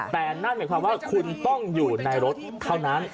แต่นั่นหมายความว่าคุณต้องอยู่ในรถเท่านั้น